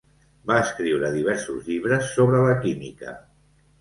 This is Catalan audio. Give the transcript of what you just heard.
Va escriure diversos llibres sobre la química.